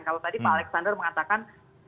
kalau tadi pak alexander mengatakan